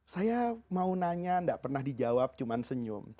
saya mau nanya tidak pernah dijawab cuma senyum